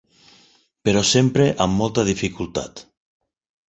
Però sempre amb molta dificultat.